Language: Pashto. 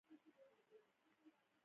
ګټه يې ونکړه.